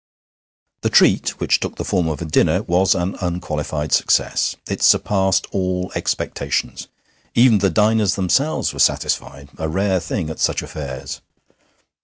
The treat, which took the form of a dinner, was an unqualified success; it surpassed all expectations. Even the diners themselves were satisfied a rare thing at such affairs.